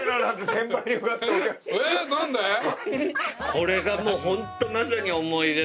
これがホントまさに思い出の味。